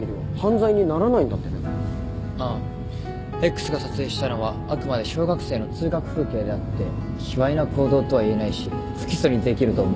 Ｘが撮影したのはあくまで小学生の通学風景であってひわいな行動とはいえないし不起訴にできると思う。